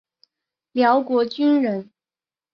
辽国军人。